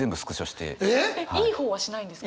えっいい方はしないんですか？